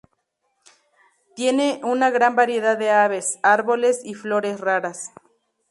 Tiene una gran variedad de aves, árboles y flores raras.